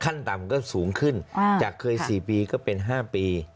ขั้นต่ำก็สูงขึ้นจากเคย๔ปีก็เป็น๕ปี